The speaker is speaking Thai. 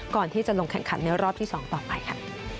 ก่อนที่จะลงแข่งขันในรอบที่๒ต่อไปค่ะ